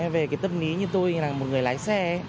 về cái tâm lý như tôi là một người lái xe